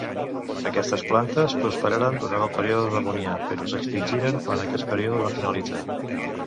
Aquestes plantes prosperaren durant el període Devonià però s'extingiren quan aquest període va finalitzar.